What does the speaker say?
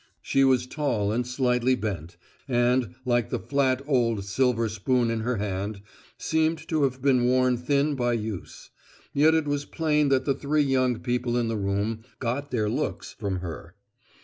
She was tall and slightly bent; and, like the flat, old, silver spoon in her hand, seemed to have been worn thin by use; yet it was plain that the three young people in the room "got their looks" from her.